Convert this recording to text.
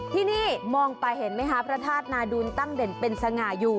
ที่นี่มองไปเห็นไหมคะพระธาตุนาดูลตั้งเด่นเป็นสง่าอยู่